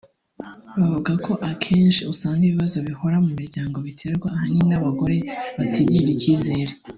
banavuga ko akenshi usanga ibibazo bihora mu miryango biterwa ahanini n’abagore batigirira icyizere